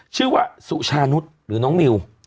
ชื่อว่าสุชานุษย์หรือน้องนิว